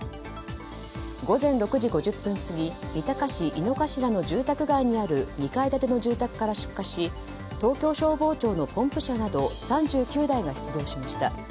午前６時５０分過ぎ三鷹市井の頭の住宅街にある２階建ての住宅から出火し東京消防庁のポンプ車など３９台が出動しました。